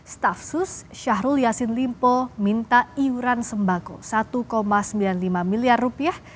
staf sus syahrul yassin limpo minta iuran sembako satu sembilan puluh lima miliar rupiah